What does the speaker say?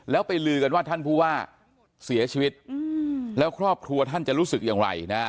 แล้วไปลือกันว่าท่านผู้ว่าเสียชีวิตแล้วครอบครัวท่านจะรู้สึกอย่างไรนะ